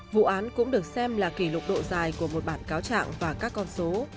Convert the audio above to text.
vụ án cũng được xem là kỷ lục độ dài của một bản cáo trạng và các con số